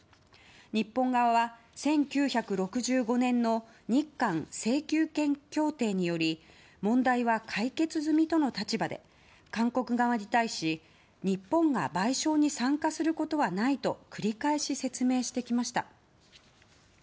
日本側は１９６５年の日韓請求権協定により問題は解決済みとの立場で韓国側に対し、日本が賠償に参加することはないと繰り返し説明してきました。